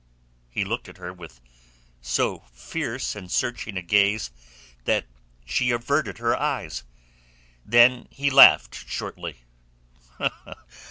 He looked at her with so fierce and searching a gaze that she averted her eyes. Then he laughed shortly.